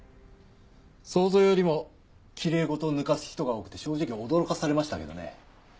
想像よりもきれい事を抜かす人が多くて正直驚かされましたけどね。